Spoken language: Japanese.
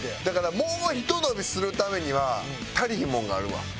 だからもうひと伸びするためには足りひんもんがあるわ。